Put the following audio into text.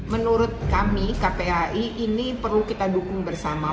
menurut kami kpai ini perlu kita dukung bersama